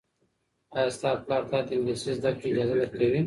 ایا ستا پلار تاته د انګلیسي زده کړې اجازه درکوي؟